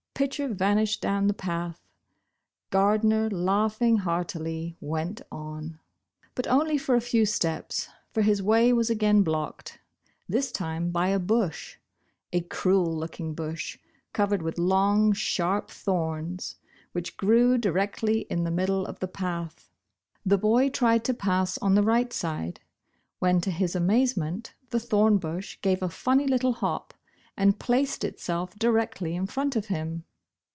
Pitcher vanished down the path ! Gardner, laughing heartily, went on. Bosh Bosh Oil. 17 But only for a few steps, for his way was again blocked. This time by a bush, a cruel looking bush, covered with long, sharp thorns which grew directly in the middle of the path. The boy tried to pass on the right side, when to his amazement, the thorn bush gave a funny little hop and placed itself directly in front of him.